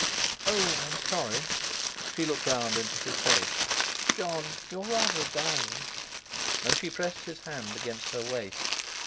"Oh! I am sorry!" She looked round into his face. "Jon, you're rather a darling." And she pressed his hand against her waist.